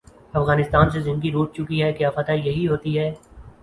افغانستان سے زندگی روٹھ چکی کیا فتح یہی ہو تی ہے؟